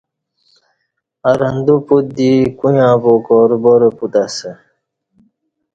ارندو پت دی کویاں بو کاروبار پت اسہ